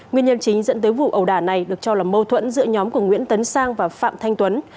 nguyên nhân chính dẫn tới vụ ẩu đả này được cho là mâu thuẫn giữa nhóm của nguyễn tấn sang và phạm thanh tuấn